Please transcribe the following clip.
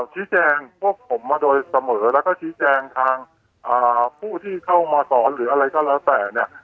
ชี้แจงพวกผมมาโดยเสมอแล้วก็ชี้แจงทางผู้ที่เข้ามาสอนหรืออะไรก็แล้วแต่เนี่ย